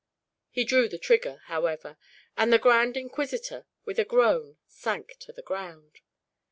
He drew the trigger, however; and the grand inquisitor, with a groan, sank to the ground.